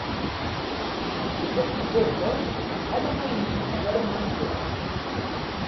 Nekk akked baba-m ḥala ayen yelhan ara m-nextir.